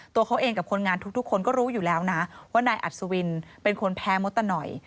ตัวเขาเองกับคนงานทุกคนก็รู้อยู่แล้วนะว่านายอัศวินเป็นคนแพ้มดตะหน่อย